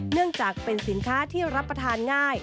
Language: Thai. เนื่องจากเป็นสินค้าที่รับประทานง่าย